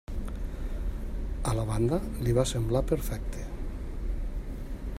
A la banda li va semblar perfecte.